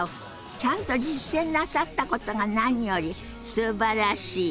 ちゃんと実践なさったことが何よりすばらしい！